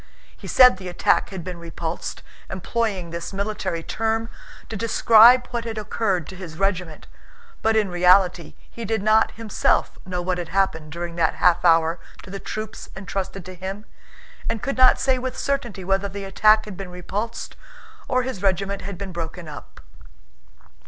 He said the attack had been repulsed, employing this military term to describe what had occurred to his regiment, but in reality he did not himself know what had happened during that half hour to the troops entrusted to him, and could not say with certainty whether the attack had been repulsed or his regiment had been broken up.